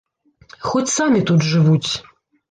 Хоць самі тут жывуць!